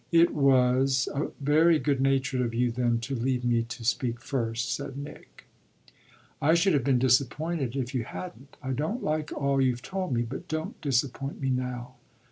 "It was very good natured of you then to leave me to speak first," said Nick. "I should have been disappointed if you hadn't. I don't like all you've told me. But don't disappoint me now."